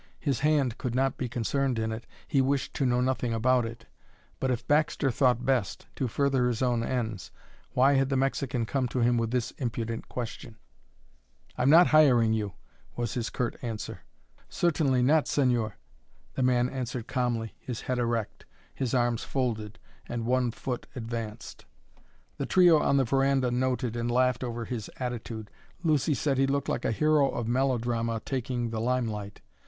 His hand could not be concerned in it, he wished to know nothing about it but if Baxter thought best to further his own ends why had the Mexican come to him with this impudent question? "I'm not hiring you," was his curt answer. "Certainly not, señor," the man answered calmly, his head erect, his arms folded, and one foot advanced. The trio on the veranda noted and laughed over his attitude. Lucy said he looked like a hero of melodrama taking the limelight.